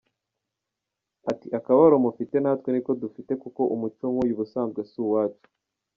Ati"Akababaro mufite natwe niko dufite kuko umuco nk’uyu ubusanzwe si uwacu.”